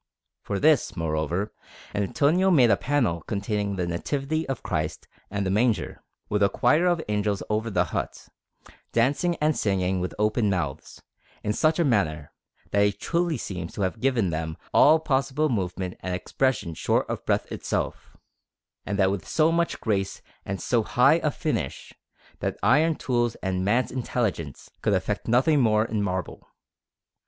For this, moreover, Antonio made a panel containing the Nativity of Christ and the Manger, with a choir of angels over the hut, dancing and singing with open mouths, in such a manner, that he truly seems to have given them all possible movement and expression short of breath itself, and that with so much grace and so high a finish, that iron tools and man's intelligence could effect nothing more in marble.